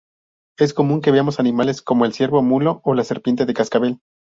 Es común que veamos animales como el ciervo mulo o la serpiente de cascabel.